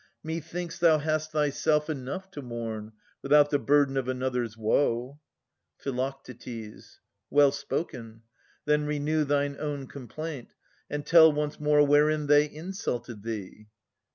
Methinks thou hast thyself enough to mourn. Without the burden of another's woe. Phi. Well spoken. Then renew thine own complaint. And tell once more wherein they insulted thee.